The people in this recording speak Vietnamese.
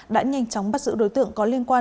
đã nhanh chóng bắt giữ đối tượng có liên quan